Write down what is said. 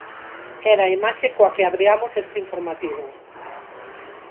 Era a imaxe coa que abriamos este informativo...